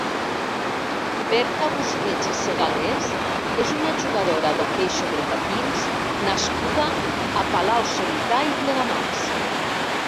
Berta Busquets i Segalés és una jugadora d'hoquei sobre patins nascuda a Palau-solità i Plegamans.